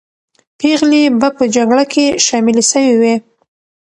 پېغلې به په جګړه کې شاملې سوې وي.